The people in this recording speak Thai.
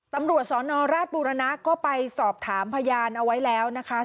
ตำรวจสนราชบุรณะก็ไปสอบถามพยานเอาไว้แล้วนะคะ